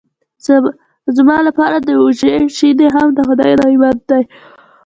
زما لپاره د وزې شیدې هم د خدای نعمت دی.